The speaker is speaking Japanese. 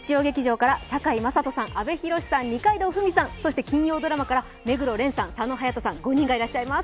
堺雅人さん、阿部寛さん、二階堂ふみさん、そして金曜ドラマから目黒蓮さん、佐野勇斗さん５人がいらっしゃいます。